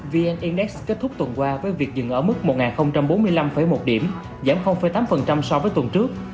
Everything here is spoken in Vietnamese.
vn index kết thúc tuần qua với việc dừng ở mức một bốn mươi năm một điểm giảm tám so với tuần trước